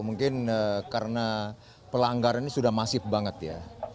mungkin karena pelanggaran ini sudah masif banget ya